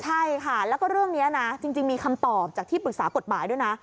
ใช่ค่ะแล้วก็เรื่องนี้นะจริงมีคำตอบจากที่ปรึกษากฎหมายด้วยนะ